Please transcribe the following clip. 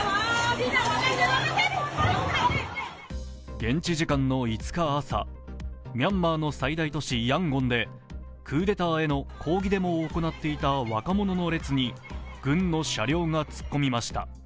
現地時間の５日朝、ミャンマーの最大都市ヤンゴンでクーデターへの抗議デモを行っていた若者の列に軍の車両が突っ込みました。